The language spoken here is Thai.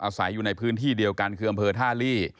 อาศัยอยู่ในพื้นที่เดียวกันคืออำเภอท่าลี่